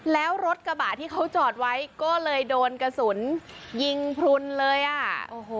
แล้วรถกระบะที่เขาจอดไว้ก็เลยโดนกระสุนยิงพลุนเลยอ่ะโอ้โห